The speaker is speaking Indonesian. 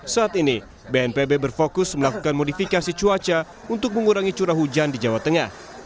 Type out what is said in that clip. saat ini bnpb berfokus melakukan modifikasi cuaca untuk mengurangi curah hujan di jawa tengah